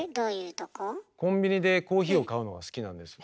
コンビニでコーヒーを買うのが好きなんです。